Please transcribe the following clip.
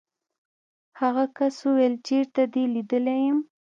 هغه کس وویل چېرته دې لیدلی یم.